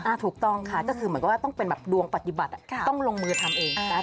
ถูกต้องค่ะก็คือเหมือนกับว่าต้องเป็นแบบดวงปฏิบัติต้องลงมือทำเองนะคะ